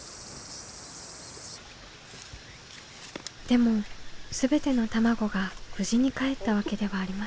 でも全ての卵が無事にかえったわけではありませんでした。